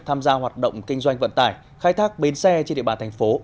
tham gia hoạt động kinh doanh vận tải khai thác bến xe trên địa bàn thành phố